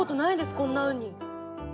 こんなうに。